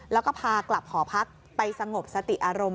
แล้วก็พากลับหอพักไปสงบสติอารมณ์